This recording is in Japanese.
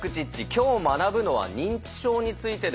今日学ぶのは認知症についてです。